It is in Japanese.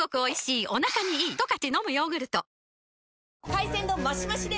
海鮮丼マシマシで！